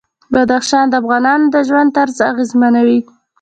بدخشان د افغانانو د ژوند طرز اغېزمنوي.